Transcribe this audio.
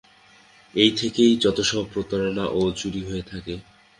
এই থেকেই যত সব প্রতারণা ও চুরি হয়ে থাকে।